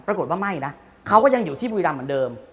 ปรากฏว่าไม่นะเขาก็ยังอยู่ที่บุรีรำเหมือนเดิม